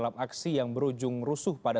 dalam aksi yang berujung rusuh pada